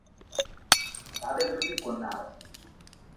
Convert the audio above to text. তাদের দুটি কন্যা আছে।